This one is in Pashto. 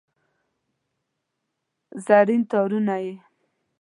زرین تارونه یې